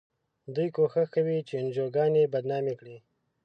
دوی کوښښ کوي چې انجوګانې بدنامې کړي.